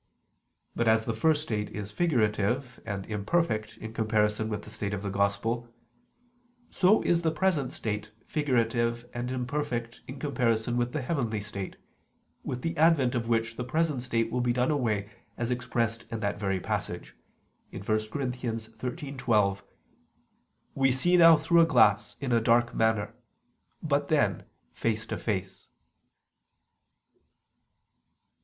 But as the first state is figurative and imperfect in comparison with the state of the Gospel; so is the present state figurative and imperfect in comparison with the heavenly state, with the advent of which the present state will be done away as expressed in that very passage (1 Cor. 13:12): "We see now through a glass in a dark manner; but then face to face."